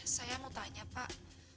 saya mau tanya pak